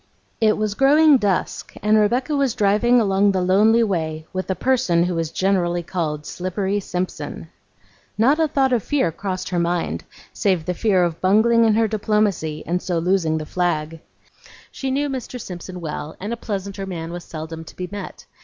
It was growing dusk and Rebecca was driving along the lonely way with a person who was generally called Slippery Simpson. Not a thought of fear crossed her mind, save the fear of bungling in her diplomacy, and so losing the flag. She knew Mr. Simpson well, and a pleasanter man was seldom to be met.